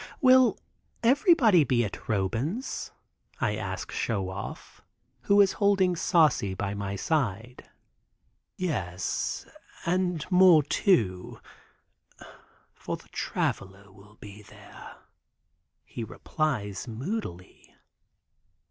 "Will everybody be at Roban's?" I ask Show Off, who is holding Saucy by my side. "Yes, and more too, for the Traveler will be there," he replies moodily.